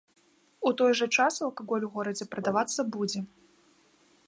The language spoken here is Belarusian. У той жа час алкаголь у горадзе прадавацца будзе.